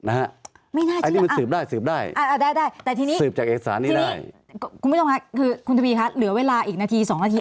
อะได้แต่ที่นี้คุณทวีค่ะเหลือเวลาอีกนาที๒นาที